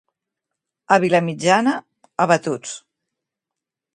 A Vilamitjana, abatuts.